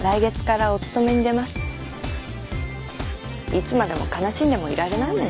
いつまでも悲しんでもいられないもの。